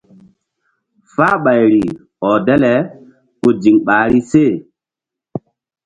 Fahɓayri ɔh dale ku ziŋ ɓahri se.